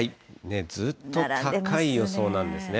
ずっと高い予想なんですね。